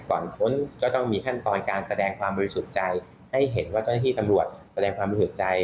ค้นก็ต้องมีขั้นตอนการแสดงความบริสุทธิ์ใจให้เห็นว่าเจ้าหน้าที่ตำรวจแสดงความบริสุทธิ์ใจ